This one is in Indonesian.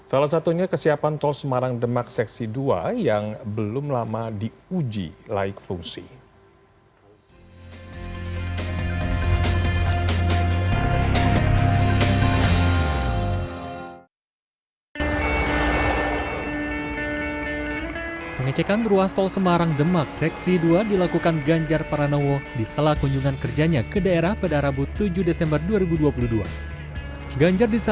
salah satunya kesiapan tol semarang demak seksi dua yang belum lama diuji laik fungsi